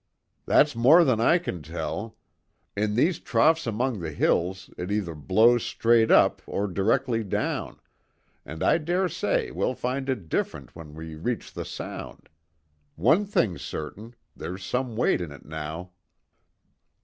"That's more than I can tell. In these troughs among the hills it either blows straight up or directly down, and I dare say we'll find it different when we reach the sound. One thing's certain there's some weight in it now."